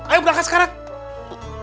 ayo berangkat sekarang